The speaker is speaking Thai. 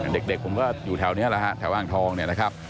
เด็กผมก็อยู่แถวนี้แหละฮะแถวอ่างทองเนี่ยนะครับ